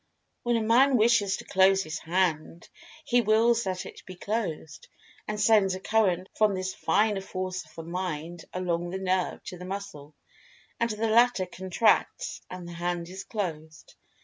When a man wishes to close his hand, he Wills that it be closed, and sends a current of this Finer Force of the Mind along the nerve to the muscle, and the latter contracts and the hand is closed.